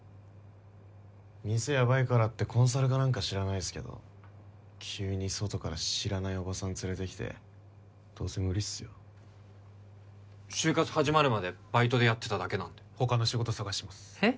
店ヤバいからってコンサルかなんか知らないっすけど急に外から知らないおばさん連れて来てどうせ無理っすよ就活始まるまでバイトでやってただけなんで他の仕事探しますえっ？